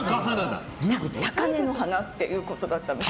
高嶺の花っていうことだったんです。